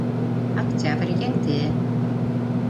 Октябрь еңде.